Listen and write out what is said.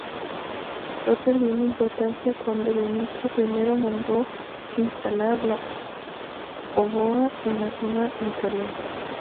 Fue perdiendo importancia cuando Dionisio I mandó instalar la "póvoa" en la zona litoral.